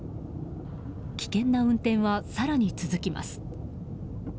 危険な運転は更に続きます。